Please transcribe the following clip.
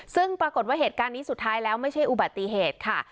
ซึ่งปรากฏว่าเหตุการณ์นี้สุดท้ายแล้วไม่ใช่อุบัติเหตุค่ะ